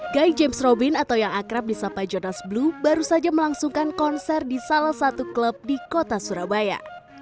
guy james robin atau yang akrab di sapai jonas blue baru saja melangsungkan konser di salah satu klub di kota surabaya